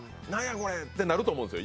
これ！ってなると思うんすよ